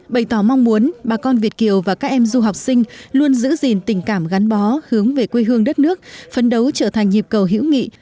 bày tỏ mong muốn bà con việt kiều và các em du học sinh luôn giữ gìn tình cảm gắn bó hướng về quê hương đất nước phấn đấu trở thành nhịp cầu hữu nghị